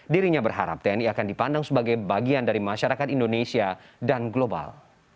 dirinya berharap tni akan dipandang sebagai bagian dari masyarakat indonesia dan global